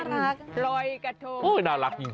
น่ารักจริงน่ารักจริง